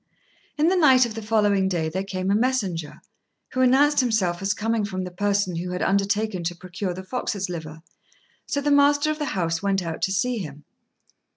In the night of the following day there came a messenger, who announced himself as coming from the person who had undertaken to procure the fox's liver; so the master of the house went out to see him.